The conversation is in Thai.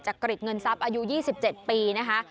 กริจเงินทรัพย์อายุ๒๗ปีนะคะ